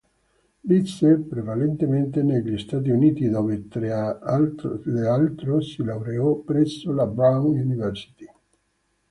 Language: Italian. Visse prevalentemente negli Stati Uniti, dove tra l'altro si laureò, presso la Brown University.